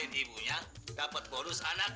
sinta pamit dulu ya